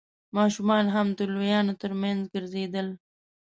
ماشومان هم د لويانو تر مينځ ګرځېدل.